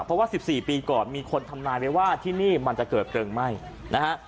เพราะว่า๑๔ปีก่อนมีคนทำนายไว้ว่าที่นี่มันจะเกิดเพลิงไหม้นะฮะ